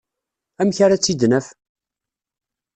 Amek ara tt-id-naf?